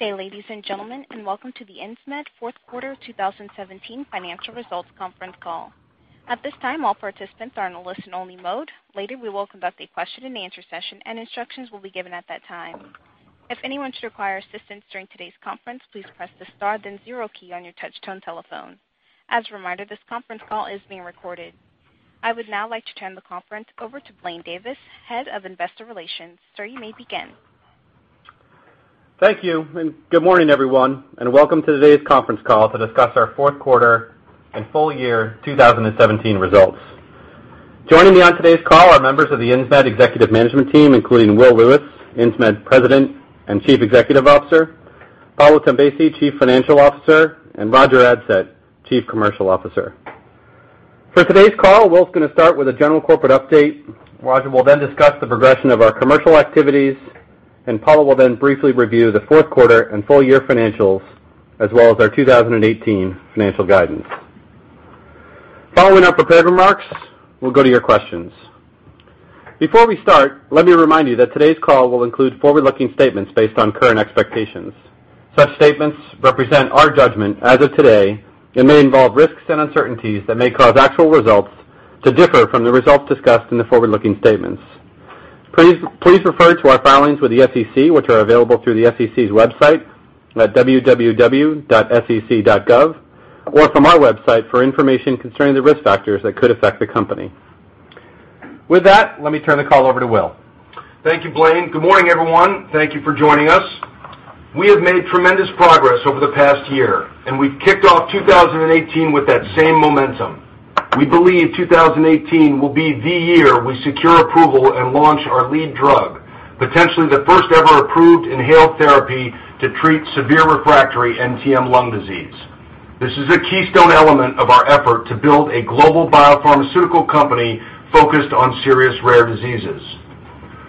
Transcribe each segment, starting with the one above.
Good day, ladies and gentlemen. Welcome to the Insmed Fourth Quarter 2017 Financial Results Conference Call. At this time, all participants are in a listen-only mode. Later, we will conduct a question-and-answer session. Instructions will be given at that time. If anyone should require assistance during today's conference, please press the star then zero key on your touchtone telephone. As a reminder, this conference call is being recorded. I would now like to turn the conference over to Blaine Davis, head of investor relations. Sir, you may begin. Thank you. Good morning, everyone. Welcome to today's conference call to discuss our fourth quarter and full year 2017 results. Joining me on today's call are members of the Insmed executive management team, including Will Lewis, Insmed President and Chief Executive Officer, Paolo Tombesi, Chief Financial Officer, and Roger Adsett, Chief Commercial Officer. For today's call, Will's going to start with a general corporate update. Roger will then discuss the progression of our commercial activities. Paolo will then briefly review the fourth quarter and full year financials, as well as our 2018 financial guidance. Following our prepared remarks, we'll go to your questions. Before we start, let me remind you that today's call will include forward-looking statements based on current expectations. Such statements represent our judgment as of today, may involve risks and uncertainties that may cause actual results to differ from the results discussed in the forward-looking statements. Please refer to our filings with the SEC, which are available through the SEC's website at www.sec.gov or from our website for information concerning the risk factors that could affect the company. With that, let me turn the call over to Will. Thank you, Blaine. Good morning, everyone. Thank you for joining us. We have made tremendous progress over the past year. We've kicked off 2018 with that same momentum. We believe 2018 will be the year we secure approval and launch our lead drug, potentially the first ever approved inhaled therapy to treat severe refractory NTM lung disease. This is a keystone element of our effort to build a global biopharmaceutical company focused on serious rare diseases.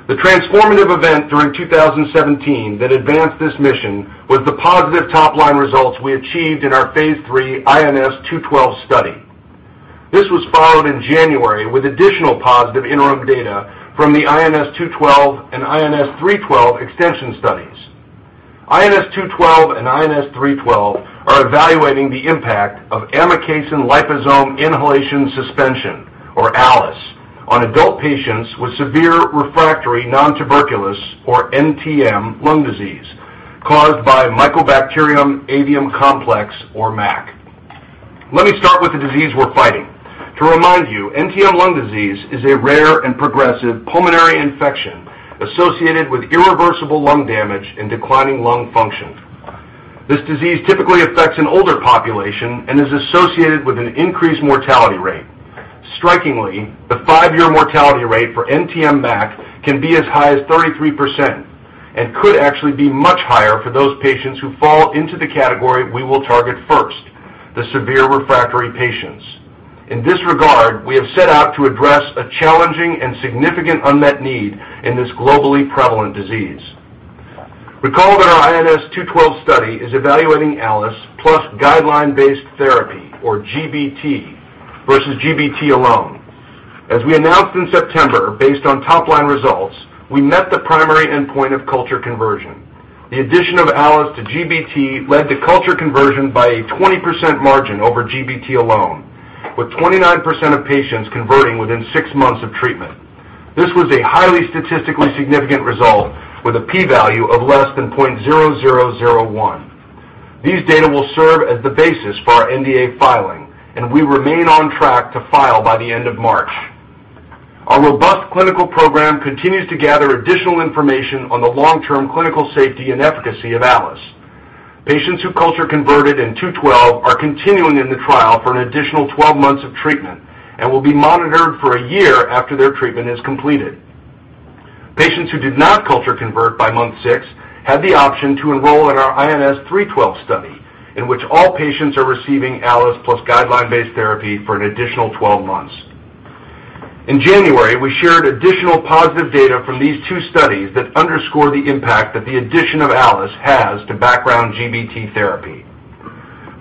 The transformative event during 2017 that advanced this mission was the positive top-line results we achieved in our Phase III INS-212 study. This was followed in January with additional positive interim data from the INS-212 and INS-312 extension studies. INS-212 and INS-312 are evaluating the impact of amikacin liposome inhalation suspension, or ALIS, on adult patients with severe refractory nontuberculous, or NTM, lung disease caused by Mycobacterium avium complex, or MAC. Let me start with the disease we're fighting. To remind you, NTM lung disease is a rare and progressive pulmonary infection associated with irreversible lung damage and declining lung function. This disease typically affects an older population and is associated with an increased mortality rate. Strikingly, the five-year mortality rate for NTM MAC can be as high as 33% and could actually be much higher for those patients who fall into the category we will target first, the severe refractory patients. In this regard, we have set out to address a challenging and significant unmet need in this globally prevalent disease. Recall that our INS-212 study is evaluating ALIS plus guideline-based therapy, or GBT, versus GBT alone. As we announced in September, based on top-line results, we met the primary endpoint of culture conversion. The addition of ALIS to GBT led to culture conversion by a 20% margin over GBT alone, with 29% of patients converting within six months of treatment. This was a highly statistically significant result with a P value of less than 0.0001. These data will serve as the basis for our NDA filing, and we remain on track to file by the end of March. Our robust clinical program continues to gather additional information on the long-term clinical safety and efficacy of ALIS. Patients who culture converted in 212 are continuing in the trial for an additional 12 months of treatment and will be monitored for a year after their treatment is completed. Patients who did not culture convert by month six had the option to enroll in our INS-312 study, in which all patients are receiving ALIS plus guideline-based therapy for an additional 12 months. In January, we shared additional positive data from these two studies that underscore the impact that the addition of ALIS has to background GBT therapy.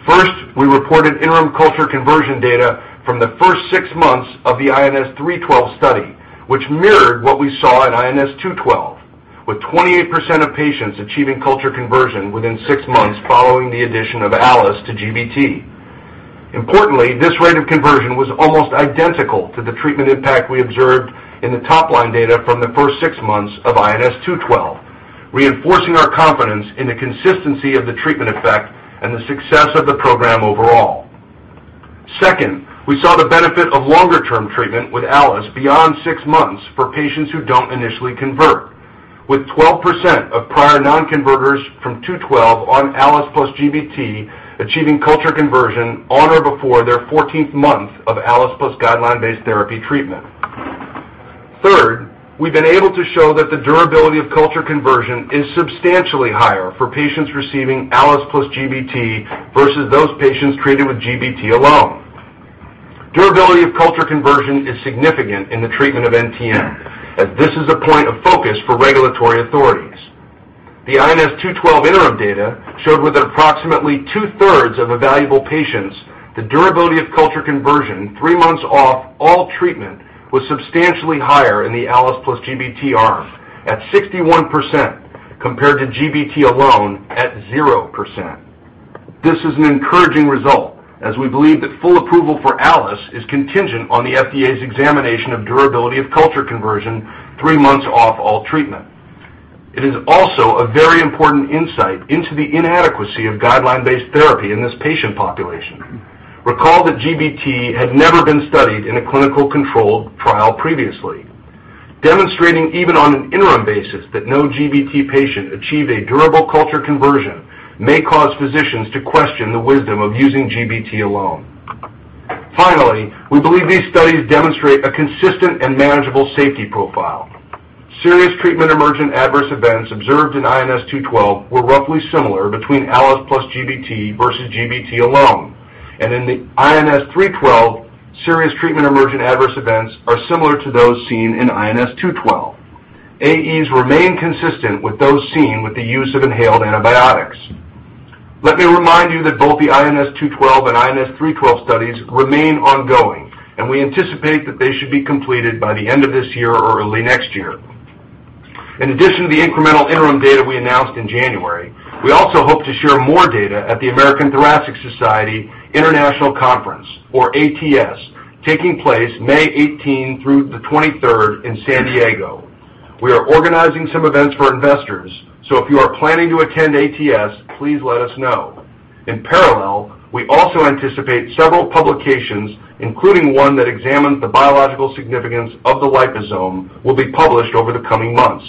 First, we reported interim culture conversion data from the first six months of the INS-312 study, which mirrored what we saw in INS-212, with 28% of patients achieving culture conversion within six months following the addition of ALIS to GBT. Importantly, this rate of conversion was almost identical to the treatment impact we observed in the top-line data from the first six months of INS-212, reinforcing our confidence in the consistency of the treatment effect and the success of the program overall. Second, we saw the benefit of longer-term treatment with ALIS beyond six months for patients who don't initially convert, with 12% of prior non-converters from 212 on ALIS plus GBT achieving culture conversion on or before their 14th month of ALIS plus guideline-based therapy treatment. Third, we've been able to show that the durability of culture conversion is substantially higher for patients receiving ALIS plus GBT versus those patients treated with GBT alone. Durability of culture conversion is significant in the treatment of NTM, as this is a point of focus for regulatory authorities. The INS-212 interim data showed with approximately two-thirds of evaluable patients, the durability of culture conversion three months off all treatment was substantially higher in the ALIS plus GBT arm at 61%, compared to GBT alone at 0%. This is an encouraging result, as we believe that full approval for ALIS is contingent on the FDA's examination of durability of culture conversion three months off all treatment. It is also a very important insight into the inadequacy of guideline-based therapy in this patient population. Recall that GBT had never been studied in a clinical controlled trial previously. Demonstrating even on an interim basis that no GBT patient achieved a durable culture conversion may cause physicians to question the wisdom of using GBT alone. We believe these studies demonstrate a consistent and manageable safety profile. Serious treatment emergent adverse events observed in INS-212 were roughly similar between ALIS plus GBT versus GBT alone. In the INS-312, serious treatment emergent adverse events are similar to those seen in INS-212. AEs remain consistent with those seen with the use of inhaled antibiotics. Let me remind you that both the INS-212 and INS-312 studies remain ongoing, and we anticipate that they should be completed by the end of this year or early next year. In addition to the incremental interim data we announced in January, we also hope to share more data at the American Thoracic Society International Conference, or ATS, taking place May 18 through the 23rd in San Diego. We are organizing some events for investors. If you are planning to attend ATS, please let us know. In parallel, we also anticipate several publications, including one that examines the biological significance of the liposome will be published over the coming months.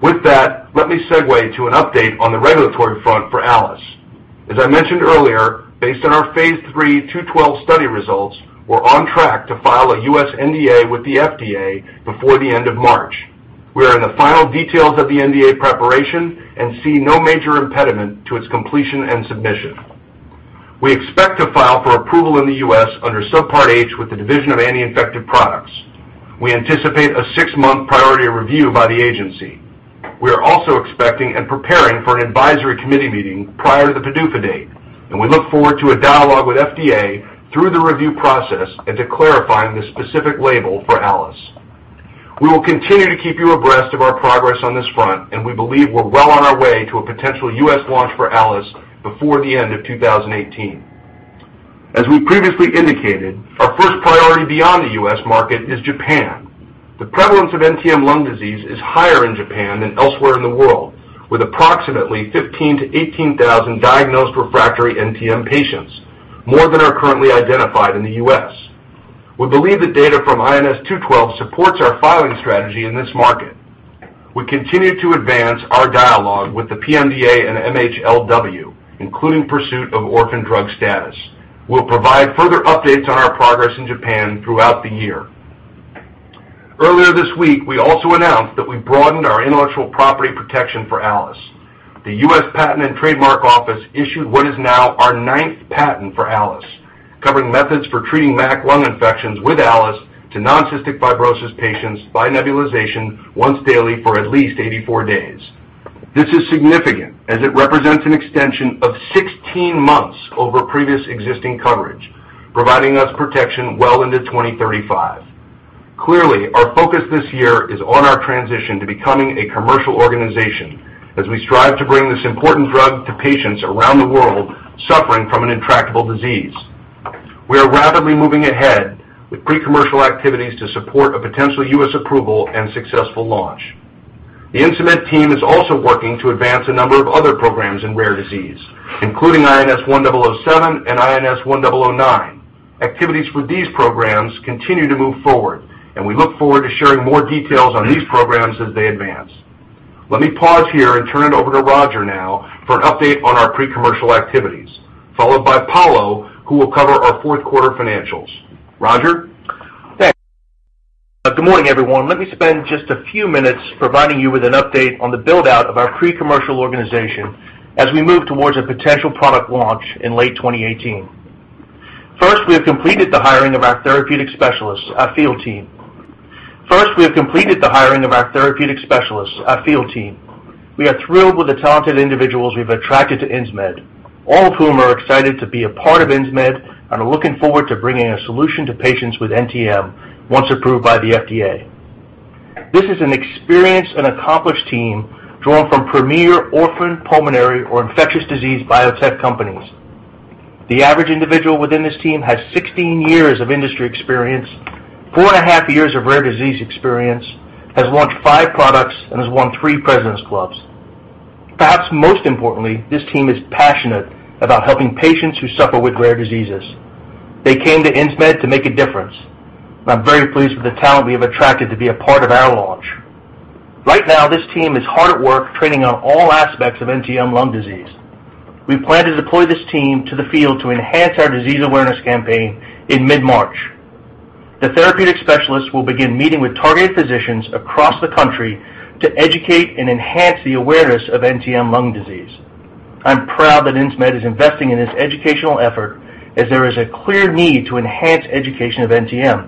With that, let me segue to an update on the regulatory front for ALIS. As I mentioned earlier, based on our phase III two-twelve study results, we're on track to file a U.S. NDA with the FDA before the end of March. We are in the final details of the NDA preparation and see no major impediment to its completion and submission. We expect to file for approval in the U.S. under Subpart H with the Division of Anti-Infective Products. We anticipate a six-month priority review by the agency. We are also expecting and preparing for an Advisory Committee meeting prior to the PDUFA date. We look forward to a dialogue with FDA through the review process and to clarifying the specific label for ALIS. We will continue to keep you abreast of our progress on this front. We believe we're well on our way to a potential U.S. launch for ALIS before the end of 2018. As we previously indicated, our first priority beyond the U.S. market is Japan. The prevalence of NTM lung disease is higher in Japan than elsewhere in the world, with approximately 15,000-18,000 diagnosed refractory NTM patients, more than are currently identified in the U.S. We believe the data from INS-212 supports our filing strategy in this market. We continue to advance our dialogue with the PMDA and MHLW, including pursuit of orphan drug status. We'll provide further updates on our progress in Japan throughout the year. Earlier this week, we also announced that we broadened our intellectual property protection for ALIS. The U.S. Patent and Trademark Office issued what is now our ninth patent for ALIS, covering methods for treating MAC lung infections with ALIS to non-cystic fibrosis patients by nebulization once daily for at least 84 days. This is significant as it represents an extension of 16 months over previous existing coverage, providing us protection well into 2035. Clearly, our focus this year is on our transition to becoming a commercial organization as we strive to bring this important drug to patients around the world suffering from an intractable disease. We are rapidly moving ahead with pre-commercial activities to support a potential U.S. approval and successful launch. The Insmed team is also working to advance a number of other programs in rare disease, including INS1007 and INS1009. Activities for these programs continue to move forward, and we look forward to sharing more details on these programs as they advance. Let me pause here and turn it over to Roger now for an update on our pre-commercial activities, followed by Paolo, who will cover our fourth quarter financials. Roger? Thanks. Good morning, everyone. Let me spend just a few minutes providing you with an update on the build-out of our pre-commercial organization as we move towards a potential product launch in late 2018. First, we have completed the hiring of our therapeutic specialists, our field team. We are thrilled with the talented individuals we've attracted to Insmed, all of whom are excited to be a part of Insmed and are looking forward to bringing a solution to patients with NTM once approved by the FDA. This is an experienced and accomplished team drawn from premier orphan pulmonary or infectious disease biotech companies. The average individual within this team has 16 years of industry experience, four and a half years of rare disease experience, has launched five products, and has won three President's Club. Perhaps most importantly, this team is passionate about helping patients who suffer with rare diseases. I'm very pleased with the talent we have attracted to be a part of our launch. Right now, this team is hard at work training on all aspects of NTM lung disease. We plan to deploy this team to the field to enhance our disease awareness campaign in mid-March. The therapeutic specialists will begin meeting with targeted physicians across the country to educate and enhance the awareness of NTM lung disease. I'm proud that Insmed is investing in this educational effort as there is a clear need to enhance education of NTM.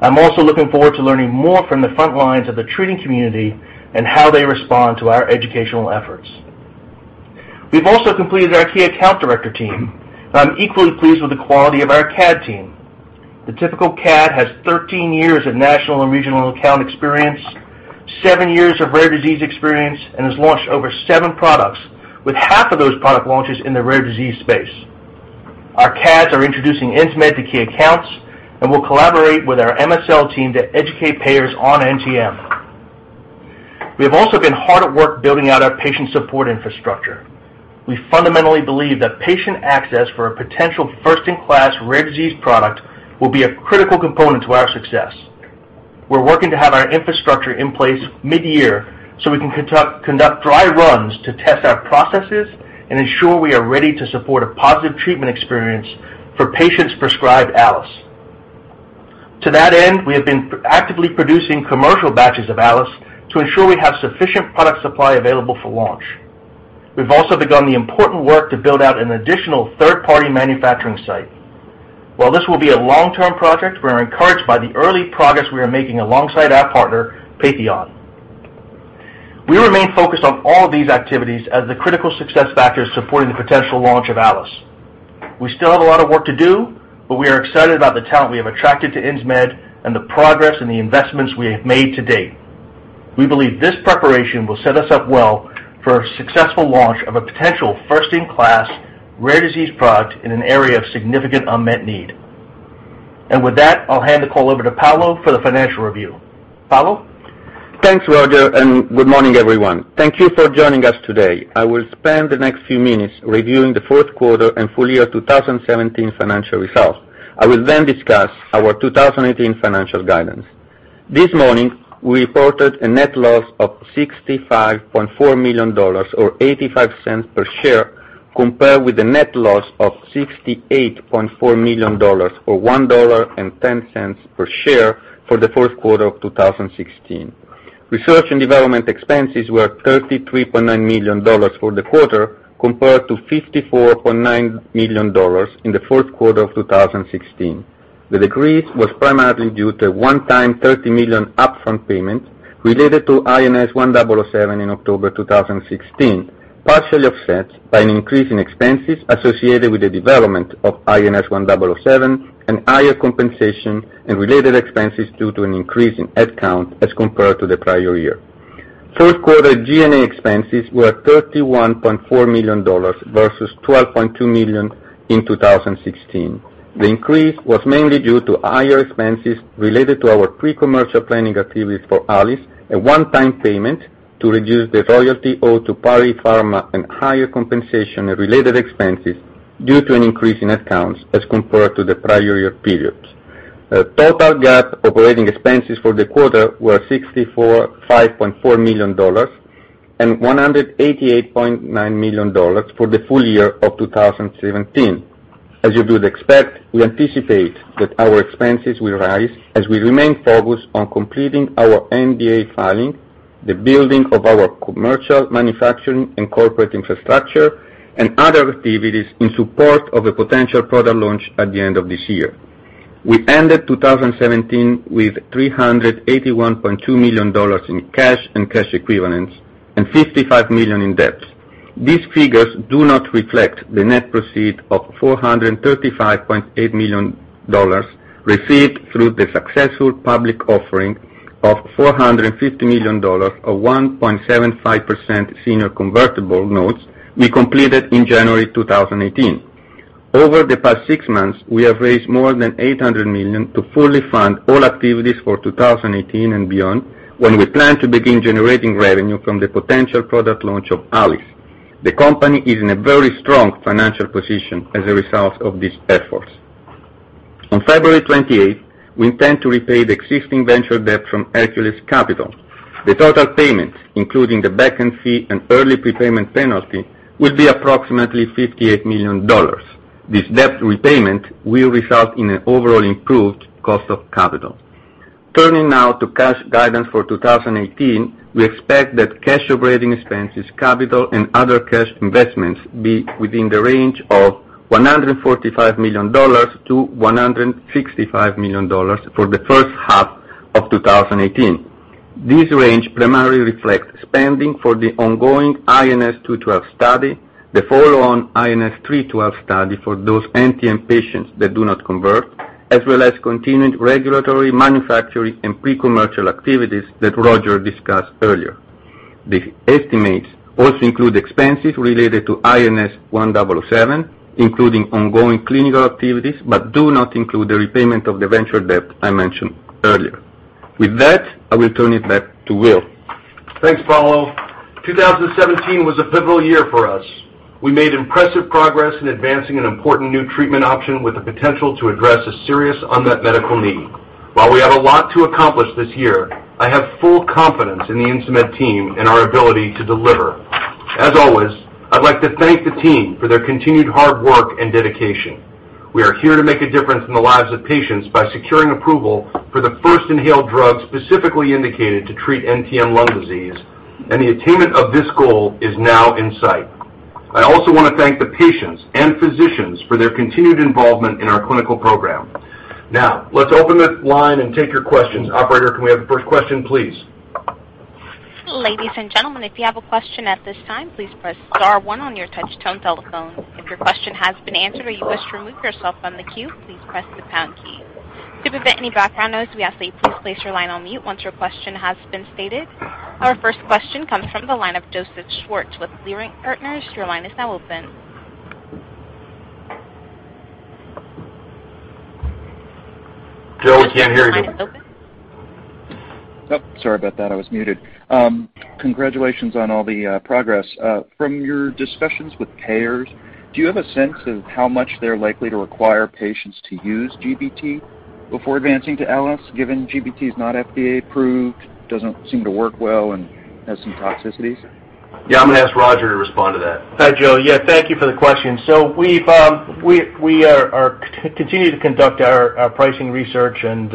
I'm also looking forward to learning more from the front lines of the treating community and how they respond to our educational efforts. We've also completed our key account director team, I'm equally pleased with the quality of our CAD team. The typical CAD has 13 years of national and regional account experience, seven years of rare disease experience, and has launched over seven products, with half of those product launches in the rare disease space. Our CADs are introducing Insmed to key accounts and will collaborate with our MSL team to educate payers on NTM. We have also been hard at work building out our patient support infrastructure. We fundamentally believe that patient access for a potential first-in-class rare disease product will be a critical component to our success. We're working to have our infrastructure in place mid-year so we can conduct dry runs to test our processes and ensure we are ready to support a positive treatment experience for patients prescribed ALIS. To that end, we have been actively producing commercial batches of ALIS to ensure we have sufficient product supply available for launch. We've also begun the important work to build out an additional third-party manufacturing site. While this will be a long-term project, we are encouraged by the early progress we are making alongside our partner, Patheon. We remain focused on all of these activities as the critical success factors supporting the potential launch of ALIS. We still have a lot of work to do, but we are excited about the talent we have attracted to Insmed and the progress and the investments we have made to date. We believe this preparation will set us up well for a successful launch of a potential first-in-class rare disease product in an area of significant unmet need. With that, I'll hand the call over to Paolo for the financial review. Paolo? Thanks, Roger. Good morning, everyone. Thank you for joining us today. I will spend the next few minutes reviewing the fourth quarter and full year 2017 financial results. I will discuss our 2018 financial guidance. This morning, we reported a net loss of $65.4 million, or $0.85 per share, compared with a net loss of $68.4 million or $1.10 per share for the fourth quarter of 2016. Research and development expenses were $33.9 million for the quarter, compared to $54.9 million in the fourth quarter of 2016. The decrease was primarily due to a one-time $30 million upfront payment related to INS1007 in October 2016, partially offset by an increase in expenses associated with the development of INS1007 and higher compensation and related expenses due to an increase in headcount as compared to the prior year. First quarter G&A expenses were $31.4 million versus $12.2 million in 2016. The increase was mainly due to higher expenses related to our pre-commercial planning activities for ALIS, a one-time payment to reduce the royalty owed to PARI Pharma, and higher compensation and related expenses due to an increase in headcount as compared to the prior year periods. Total GAAP operating expenses for the quarter were $65.4 million and $188.9 million for the full year of 2017. As you would expect, we anticipate that our expenses will rise as we remain focused on completing our NDA filing, the building of our commercial manufacturing and corporate infrastructure, and other activities in support of a potential product launch at the end of this year. We ended 2017 with $381.2 million in cash and cash equivalents and $55 million in debt. These figures do not reflect the net proceeds of $435.8 million received through the successful public offering of $450 million of 1.75% senior convertible notes we completed in January 2018. Over the past six months, we have raised more than $800 million to fully fund all activities for 2018 and beyond, when we plan to begin generating revenue from the potential product launch of ALIS. The company is in a very strong financial position as a result of these efforts. On February 28th, we intend to repay the existing venture debt from Hercules Capital. The total payment, including the backend fee and early prepayment penalty, will be approximately $58 million. This debt repayment will result in an overall improved cost of capital. Turning now to cash guidance for 2018, we expect that cash operating expenses, capital, and other cash investments be within the range of $145 million to $165 million for the first half of 2018. This range primarily reflects spending for the ongoing INS-212 study, the follow-on INS-312 study for those NTM patients that do not convert, as well as continued regulatory, manufacturing, and pre-commercial activities that Roger discussed earlier. The estimates also include expenses related to INS1007, including ongoing clinical activities, but do not include the repayment of the venture debt I mentioned earlier. With that, I will turn it back to Will. Thanks, Paolo. 2017 was a pivotal year for us. We made impressive progress in advancing an important new treatment option with the potential to address a serious unmet medical need. While we have a lot to accomplish this year, I have full confidence in the Insmed team and our ability to deliver. As always, I'd like to thank the team for their continued hard work and dedication. We are here to make a difference in the lives of patients by securing approval for the first inhaled drug specifically indicated to treat NTM lung disease, and the attainment of this goal is now in sight. I also want to thank the patients and physicians for their continued involvement in our clinical program. Let's open the line and take your questions. Operator, can we have the first question, please? Ladies and gentlemen, if you have a question at this time, please press star one on your touch-tone telephone. If your question has been answered or you wish to remove yourself from the queue, please press the pound key. To prevent any background noise, we ask that you please place your line on mute once your question has been stated. Our first question comes from the line of Joseph Schwartz with Leerink Partners. Your line is now open. Joe, we can't hear you. Your line is open. Sorry about that. I was muted. Congratulations on all the progress. From your discussions with payers, do you have a sense of how much they're likely to require patients to use GBT before advancing to ALIS, given GBT is not FDA approved, doesn't seem to work well, and has some toxicities? I'm going to ask Roger to respond to that. Hi, Joe. Yeah. Thank you for the question. We continue to conduct our pricing research and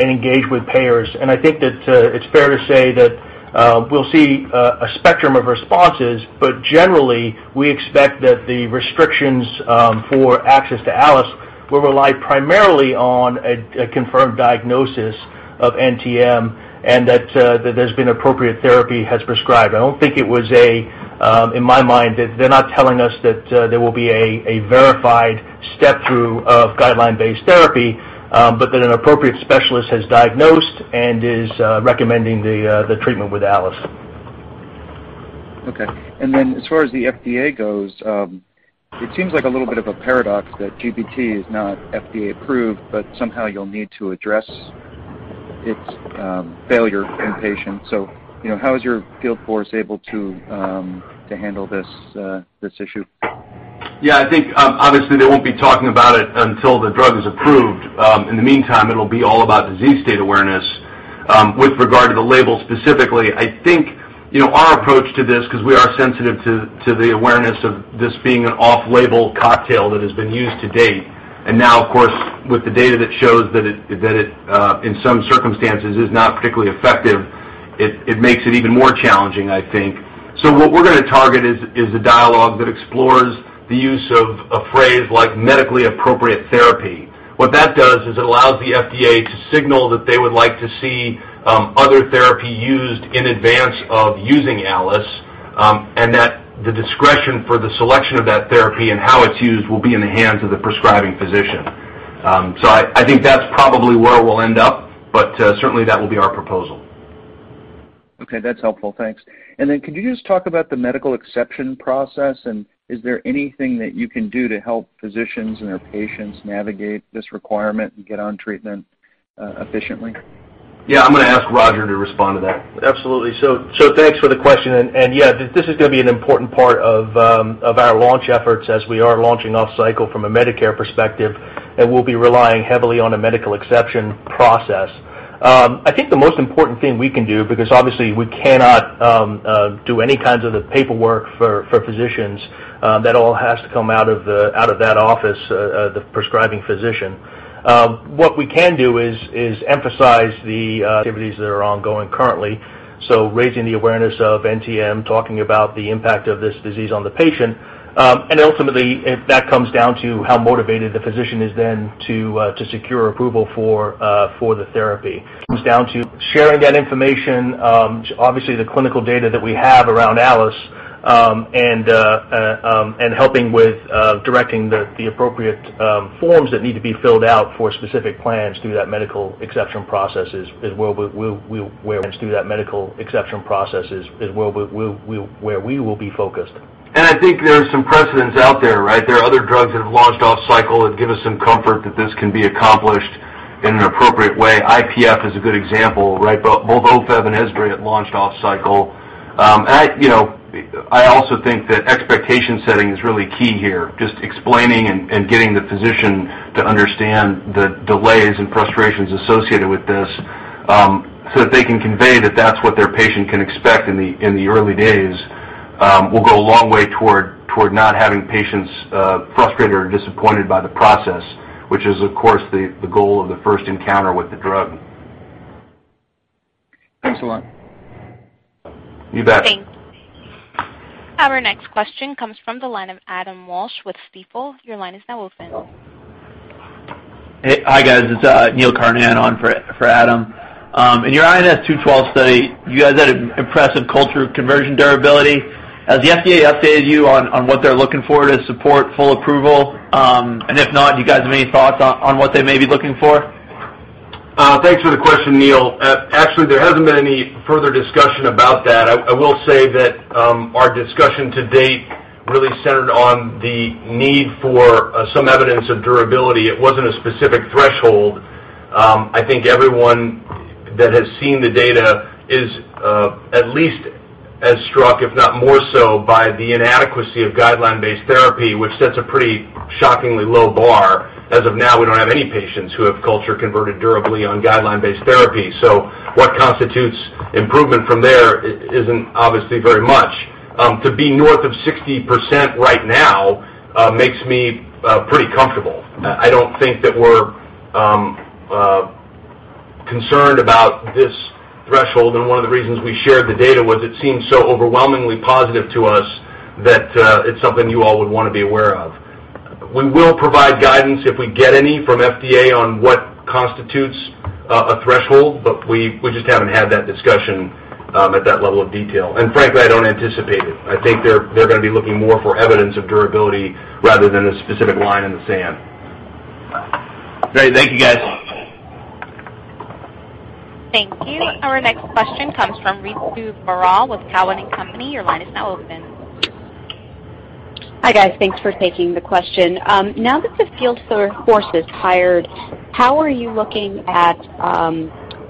engage with payers, and I think that it's fair to say that we'll see a spectrum of responses. Generally, we expect that the restrictions for access to ALIS will rely primarily on a confirmed diagnosis of NTM and that there's been appropriate therapy has prescribed. I don't think, in my mind, that they're not telling us that there will be a verified step-through of guideline-based therapy, but that an appropriate specialist has diagnosed and is recommending the treatment with ALIS. Okay. As far as the FDA goes, it seems like a little bit of a paradox that GBT is not FDA approved, but somehow you'll need to address its failure in patients. How is your field force able to handle this issue? Yeah, I think obviously they won't be talking about it until the drug is approved. In the meantime, it'll be all about disease state awareness. With regard to the label specifically, I think our approach to this, because we are sensitive to the awareness of this being an off-label cocktail that has been used to date, and now, of course, with the data that shows that it, in some circumstances, is not particularly effective, it makes it even more challenging, I think. What we're going to target is the dialogue that explores the use of a phrase like medically appropriate therapy. What that does is it allows the FDA to signal that they would like to see other therapy used in advance of using ALIS, and that the discretion for the selection of that therapy and how it's used will be in the hands of the prescribing physician. I think that's probably where we'll end up, but certainly, that will be our proposal. That's helpful. Thanks. Then could you just talk about the medical exception process, and is there anything that you can do to help physicians and their patients navigate this requirement and get on treatment efficiently? Yeah, I'm going to ask Roger to respond to that. Absolutely. Thanks for the question, and yeah, this is going to be an important part of our launch efforts as we are launching off cycle from a Medicare perspective, and we'll be relying heavily on a medical exception process. I think the most important thing we can do, because obviously we cannot do any kinds of the paperwork for physicians, that all has to come out of that office, the prescribing physician. What we can do is emphasize the activities that are ongoing currently, so raising the awareness of NTM, talking about the impact of this disease on the patient, and ultimately, that comes down to how motivated the physician is then to secure approval for the therapy. It comes down to sharing that information, obviously the clinical data that we have around ALIS, and helping with directing the appropriate forms that need to be filled out for specific plans through that medical exception process is where we will be focused. I think there's some precedents out there, right? There are other drugs that have launched off cycle that give us some comfort that this can be accomplished in an appropriate way. IPF is a good example, right? Both Ofev and Esbriet have launched off cycle. I also think that expectation setting is really key here. Just explaining and getting the physician to understand the delays and frustrations associated with this, so that they can convey that that's what their patient can expect in the early days will go a long way toward not having patients frustrated or disappointed by the process, which is, of course, the goal of the first encounter with the drug. Thanks a lot. You bet. Thanks. Our next question comes from the line of Adam Walsh with Stifel. Your line is now open. Hey, hi, guys. It's Neil Carnahan on for Adam. In your INS-212 study, you guys had an impressive culture conversion durability. Has the FDA updated you on what they're looking for to support full approval? If not, do you guys have any thoughts on what they may be looking for? Thanks for the question, Neil. Actually, there hasn't been any further discussion about that. I will say that our discussion to date really centered on the need for some evidence of durability. It wasn't a specific threshold. I think everyone that has seen the data is at least as struck, if not more so, by the inadequacy of guideline-based therapy, which sets a pretty shockingly low bar. As of now, we don't have any patients who have culture converted durably on guideline-based therapy. What constitutes improvement from there isn't obviously very much. To be north of 60% right now makes me pretty comfortable. I don't think that we're concerned about this threshold, and one of the reasons we shared the data was it seemed so overwhelmingly positive to us that it's something you all would want to be aware of. We will provide guidance, if we get any from FDA, on what constitutes a threshold, but we just haven't had that discussion at that level of detail. Frankly, I don't anticipate it. I think they're going to be looking more for evidence of durability rather than a specific line in the sand. Great. Thank you, guys. Thank you. Our next question comes from Ritu Baral with Cowen and Company. Your line is now open. Hi, guys. Thanks for taking the question. Now that the sales force is hired, how are you looking at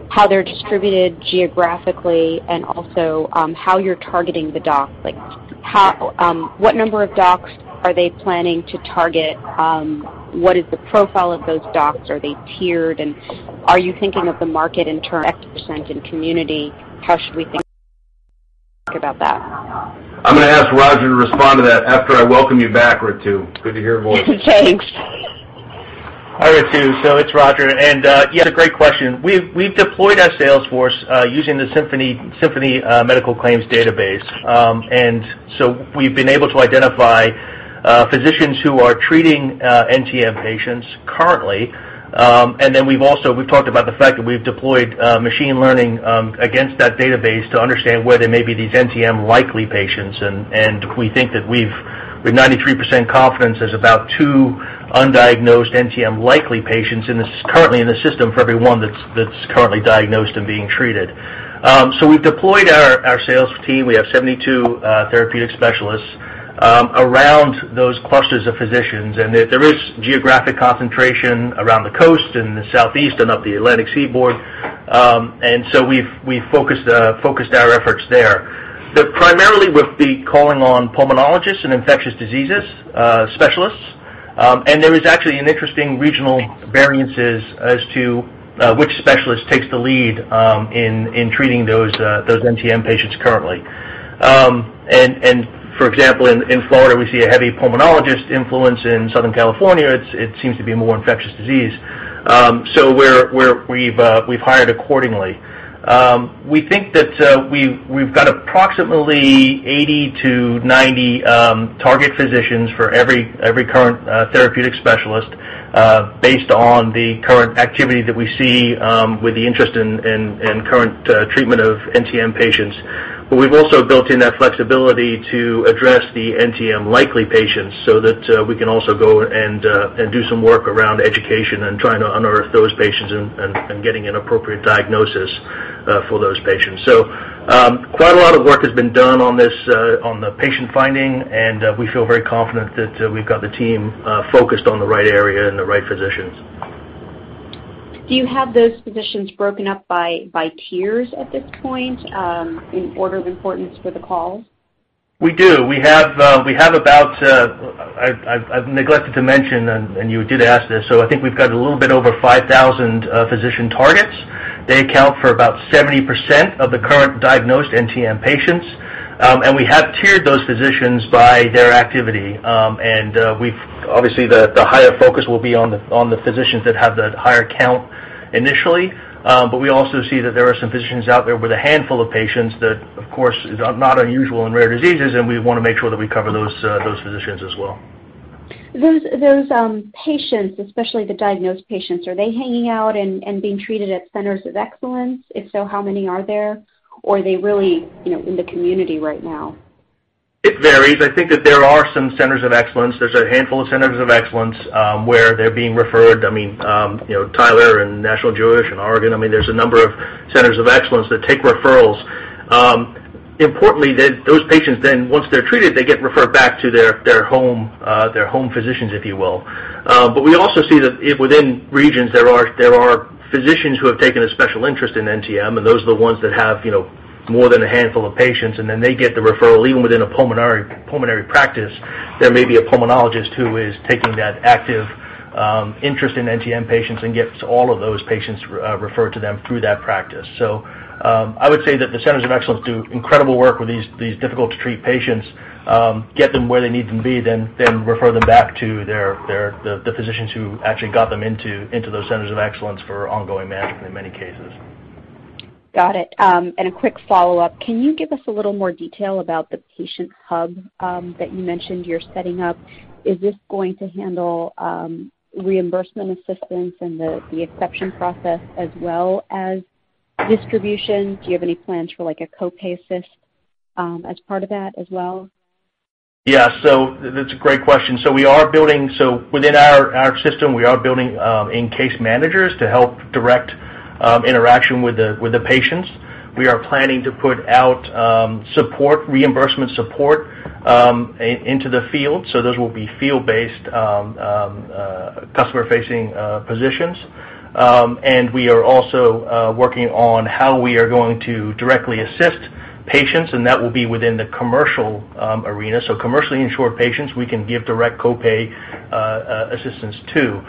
how they're distributed geographically and also how you're targeting the docs? What number of docs are they planning to target? What is the profile of those docs? Are they tiered? Are you thinking of the market in terms of X% in community? How should we think about that? I'm going to ask Roger to respond to that after I welcome you back, Ritu. Good to hear your voice. Thanks. Hi, Ritu. It's Roger. Yeah, that's a great question. We've deployed our sales force using the Symphony Health medical claims database. We've been able to identify physicians who are treating NTM patients currently. We've talked about the fact that we've deployed machine learning against that database to understand where there may be these NTM likely patients, and we think that we've 93% confidence there's about two undiagnosed NTM likely patients currently in the system for every one that's currently diagnosed and being treated. We've deployed our sales team. We have 72 therapeutic specialists around those clusters of physicians, and there is geographic concentration around the coast, in the Southeast, and up the Atlantic seaboard. We've focused our efforts there. Primarily, we'll be calling on pulmonologists and infectious diseases specialists. There is actually an interesting regional variances as to which specialist takes the lead in treating those NTM patients currently. For example, in Florida, we see a heavy pulmonologist influence. In Southern California, it seems to be more infectious disease. We've hired accordingly. We think that we've got approximately 80 to 90 target physicians for every current therapeutic specialist based on the current activity that we see with the interest in current treatment of NTM patients. We've also built in that flexibility to address the NTM likely patients so that we can also go and do some work around education and trying to unearth those patients and getting an appropriate diagnosis for those patients. Quite a lot of work has been done on the patient finding, and we feel very confident that we've got the team focused on the right area and the right physicians. Do you have those physicians broken up by tiers at this point in order of importance for the calls? We do. I've neglected to mention, and you did ask this, so I think we've got a little bit over 5,000 physician targets. They account for about 70% of the current diagnosed NTM patients. We have tiered those physicians by their activity. Obviously, the higher focus will be on the physicians that have that higher count initially. We also see that there are some physicians out there with a handful of patients that, of course, is not unusual in rare diseases, and we want to make sure that we cover those physicians as well. Those patients, especially the diagnosed patients, are they hanging out and being treated at centers of excellence? If so, how many are there? Are they really in the community right now? It varies. I think that there are some centers of excellence. There's a handful of centers of excellence, where they're being referred. Tyler and National Jewish and Oregon, there's a number of centers of excellence that take referrals. Importantly, those patients then, once they're treated, they get referred back to their home physicians, if you will. We also see that within regions, there are physicians who have taken a special interest in NTM, and those are the ones that have more than a handful of patients, and then they get the referral. Even within a pulmonary practice, there may be a pulmonologist who is taking that active interest in NTM patients and gets all of those patients referred to them through that practice. I would say that the centers of excellence do incredible work with these difficult-to-treat patients, get them where they need them be, then refer them back to the physicians who actually got them into those centers of excellence for ongoing management in many cases. Got it. A quick follow-up. Can you give us a little more detail about the patient hub that you mentioned you're setting up? Is this going to handle reimbursement assistance and the exception process as well as distribution? Do you have any plans for a co-pay assist as part of that as well? Yeah, that's a great question. Within our system, we are building in case managers to help direct interaction with the patients. We are planning to put out reimbursement support into the field, those will be field-based customer-facing positions. We are also working on how we are going to directly assist patients, and that will be within the commercial arena. Commercially insured patients we can give direct co-pay assistance to.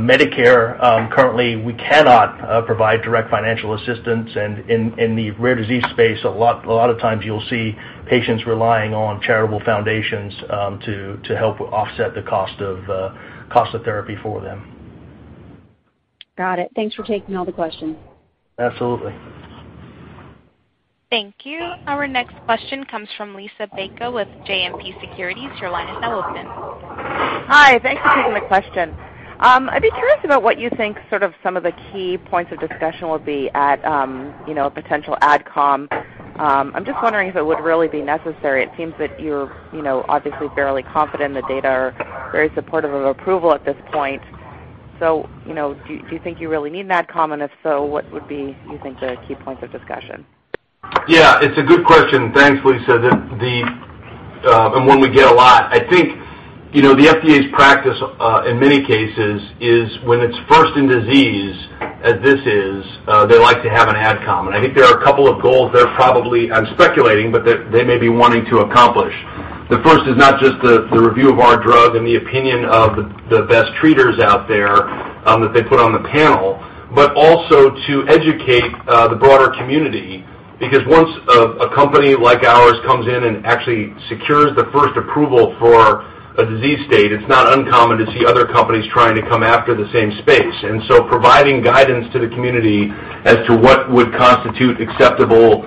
Medicare, currently, we cannot provide direct financial assistance. In the rare disease space, a lot of times you'll see patients relying on charitable foundations to help offset the cost of therapy for them. Got it. Thanks for taking all the questions. Absolutely. Thank you. Our next question comes from Liisa Bayko with JMP Securities. Your line is open. Hi. Thanks for taking the question. I'd be curious about what you think some of the key points of discussion will be at potential AdCom. I'm just wondering if it would really be necessary. It seems that you're obviously fairly confident the data are very supportive of approval at this point. Do you think you really need an AdCom, and if so, what would be, you think, the key points of discussion? Yeah, it's a good question. Thanks, Liisa. One we get a lot. I think, the FDA's practice, in many cases is when it's first in disease, as this is, they like to have an AdCom. I think there are a couple of goals they're probably, I'm speculating, but that they may be wanting to accomplish. The first is not just the review of our drug and the opinion of the best treaters out there that they put on the panel, but also to educate the broader community, because once a company like ours comes in and actually secures the first approval for a disease state, it's not uncommon to see other companies trying to come after the same space. Providing guidance to the community as to what would constitute acceptable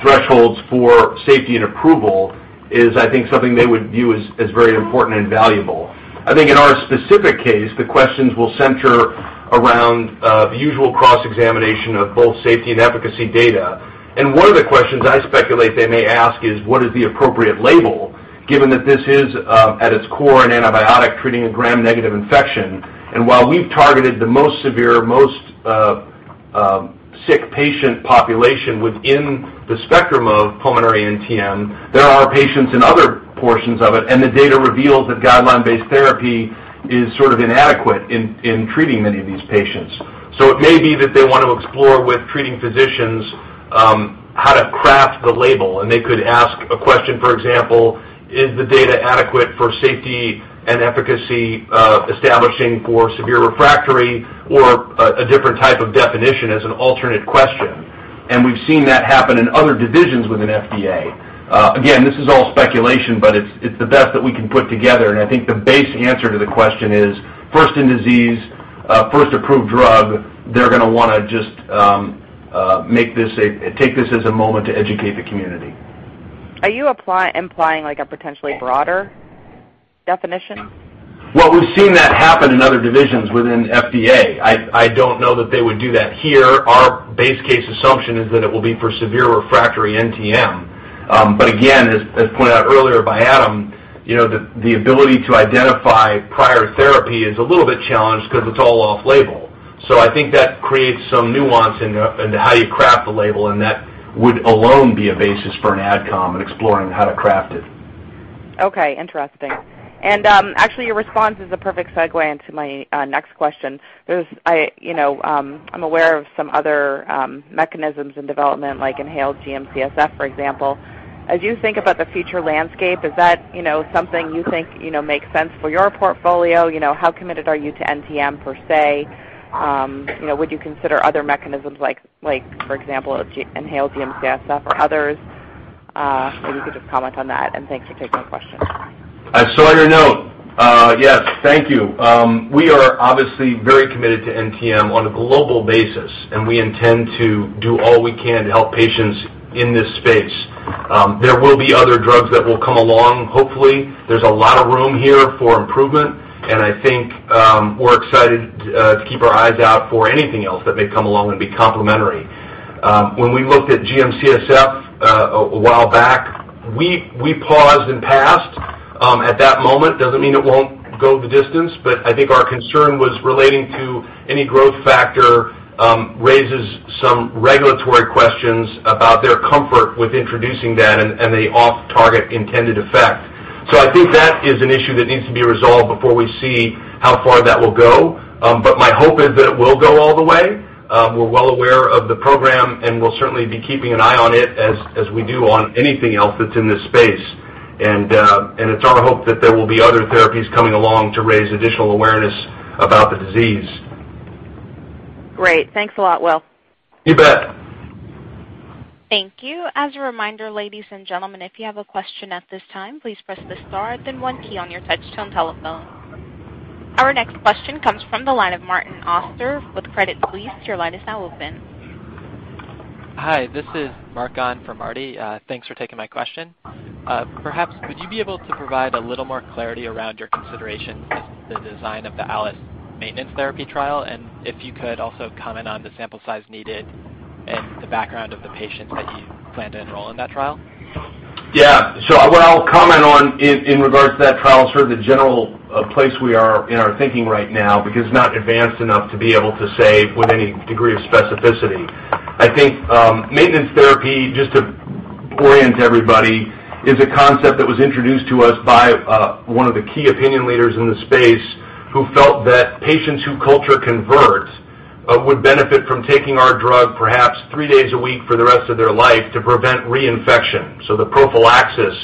thresholds for safety and approval is, I think, something they would view as very important and valuable. I think in our specific case, the questions will center around the usual cross-examination of both safety and efficacy data. One of the questions I speculate they may ask is what is the appropriate label, given that this is, at its core, an antibiotic treating a gram-negative infection. While we've targeted the most severe, most sick patient population within the spectrum of pulmonary NTM, there are patients in other portions of it, and the data reveals that guideline-based therapy is sort of inadequate in treating many of these patients. It may be that they want to explore with treating physicians how to craft the label, and they could ask a question, for example, is the data adequate for safety and efficacy establishing for severe refractory or a different type of definition as an alternate question. We've seen that happen in other divisions within FDA. This is all speculation, but it's the best that we can put together. I think the base answer to the question is, first in disease, first approved drug, they're going to want to just take this as a moment to educate the community. Are you implying like a potentially broader definition? We've seen that happen in other divisions within FDA. I don't know that they would do that here. Our base case assumption is that it will be for severe refractory NTM. Again, as pointed out earlier by Adam, the ability to identify prior therapy is a little bit challenged because it's all off-label. I think that creates some nuance into how you craft the label, and that would alone be a basis for an AdCom and exploring how to craft it. Okay, interesting. Actually, your response is a perfect segue into my next question. I'm aware of some other mechanisms in development, like inhaled GM-CSF, for example. As you think about the future landscape, is that something you think makes sense for your portfolio? How committed are you to NTM per se? Would you consider other mechanisms like, for example, inhaled GM-CSF or others? Maybe you could just comment on that, and thanks for taking my question. I saw your note. Yes, thank you. We are obviously very committed to NTM on a global basis, and we intend to do all we can to help patients in this space. There will be other drugs that will come along, hopefully. There's a lot of room here for improvement, and I think we're excited to keep our eyes out for anything else that may come along and be complementary. When we looked at GM-CSF a while back, we paused and passed at that moment, doesn't mean it won't go the distance, but I think our concern was relating to any growth factor raises some regulatory questions about their comfort with introducing that and the off-target intended effect. I think that is an issue that needs to be resolved before we see how far that will go. My hope is that it will go all the way. We're well aware of the program, and we'll certainly be keeping an eye on it as we do on anything else that's in this space. It's our hope that there will be other therapies coming along to raise additional awareness about the disease. Great. Thanks a lot, Will. You bet. Thank you. As a reminder, ladies and gentlemen, if you have a question at this time, please press the star then one key on your touchtone telephone. Our next question comes from the line of Martin Auster with Credit Suisse. Your line is now open. Hi, this is Martin for Marty. Thanks for taking my question. Perhaps would you be able to provide a little more clarity around your considerations with the design of the ALIS maintenance therapy trial? If you could also comment on the sample size needed and the background of the patients that you plan to enroll in that trial? Yeah. What I'll comment on in regards to that trial, sort of the general place we are in our thinking right now, because it's not advanced enough to be able to say with any degree of specificity. I think maintenance therapy, just to orient everybody, is a concept that was introduced to us by one of the key opinion leaders in the space who felt that patients who culture convert would benefit from taking our drug perhaps three days a week for the rest of their life to prevent reinfection. The prophylaxis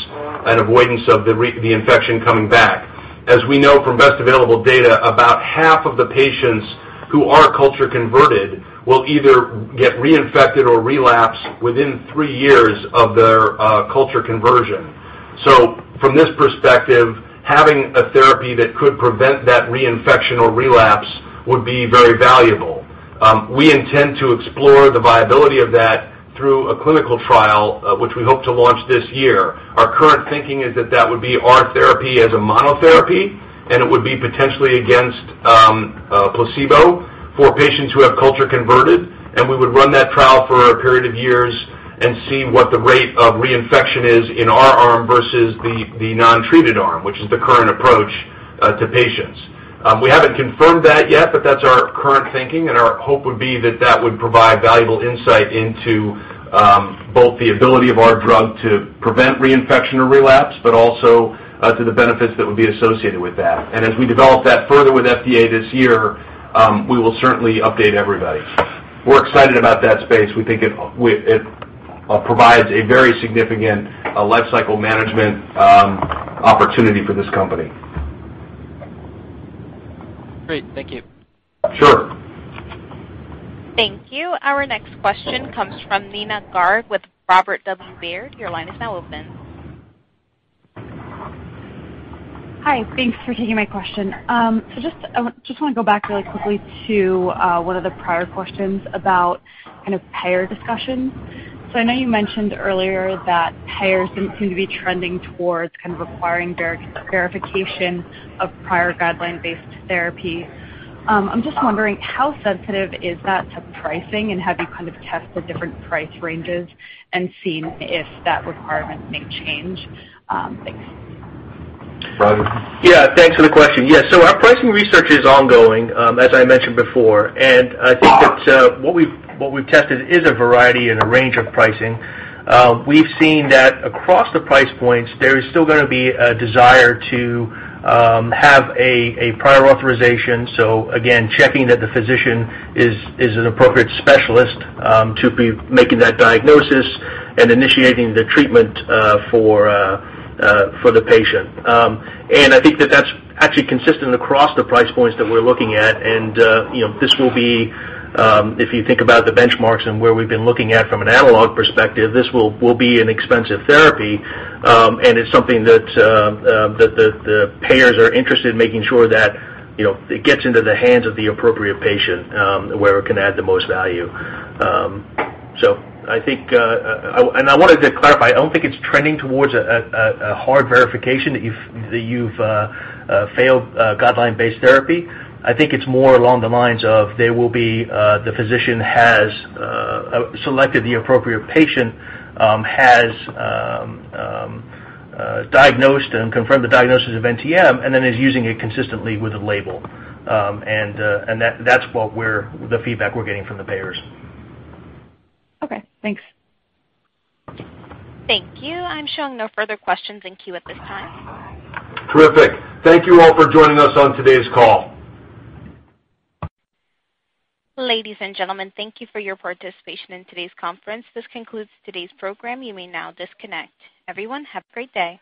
and avoidance of the infection coming back. As we know from best available data, about half of the patients who are culture converted will either get reinfected or relapse within three years of their culture conversion. From this perspective, having a therapy that could prevent that reinfection or relapse would be very valuable. We intend to explore the viability of that through a clinical trial, which we hope to launch this year. Our current thinking is that would be our therapy as a monotherapy, and it would be potentially against a placebo for patients who have culture-converted. We would run that trial for a period of years and see what the rate of reinfection is in our arm versus the non-treated arm, which is the current approach to patients. We haven't confirmed that yet, but that's our current thinking, and our hope would be that that would provide valuable insight into both the ability of our drug to prevent reinfection or relapse, but also to the benefits that would be associated with that. As we develop that further with FDA this year, we will certainly update everybody. We're excited about that space. We think it provides a very significant life cycle management opportunity for this company. Great. Thank you. Sure. Thank you. Our next question comes from Nina Garg with Robert W. Baird. Your line is now open. Hi. Thanks for taking my question. Just want to go back really quickly to one of the prior questions about kind of payer discussions. I know you mentioned earlier that payers seem to be trending towards kind of requiring verification of prior guideline-based therapy. I'm just wondering, how sensitive is that to pricing? Have you kind of tested different price ranges and seen if that requirement may change? Thanks. Roger? Thanks for the question. Our pricing research is ongoing, as I mentioned before, I think that what we've tested is a variety and a range of pricing. We've seen that across the price points, there is still going to be a desire to have a prior authorization. Again, checking that the physician is an appropriate specialist to be making that diagnosis and initiating the treatment for the patient. I think that's actually consistent across the price points that we're looking at, and this will be, if you think about the benchmarks and where we've been looking at from an analog perspective, this will be an expensive therapy. It's something that the payers are interested in making sure that it gets into the hands of the appropriate patient, where it can add the most value. I wanted to clarify, I don't think it's trending towards a hard verification that you've failed guideline-based therapy. I think it's more along the lines of the physician has selected the appropriate patient, has diagnosed and confirmed the diagnosis of NTM, and then is using it consistently with the label. That's the feedback we're getting from the payers. Okay, thanks. Thank you. I'm showing no further questions in queue at this time. Terrific. Thank you all for joining us on today's call. Ladies and gentlemen, thank you for your participation in today's conference. This concludes today's program. You may now disconnect. Everyone, have a great day.